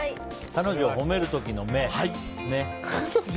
彼女を褒める時の目。